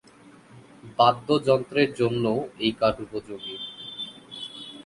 বাদ্যযন্ত্রের জন্যও এই কাঠ উপযোগী।